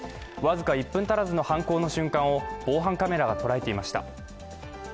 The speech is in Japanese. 僅か１分足らずの犯行の瞬間を防犯カメラは捉えていました。